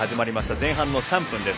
前半の３分です。